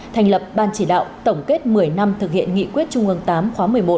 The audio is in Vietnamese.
thành lập ban chỉ đạo tổng kết một mươi năm thực hiện nghị quyết trung ương tám khóa một mươi một